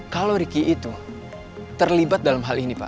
kalau ricky itu terlibat dalam hal ini pak